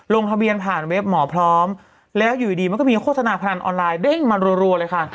ลงทะเบียนผ่านเว็บหมอพร้อมแล้วอยู่ดีมันก็มีโฆษณาพนันออนไลน์เด้งมารัวเลยค่ะ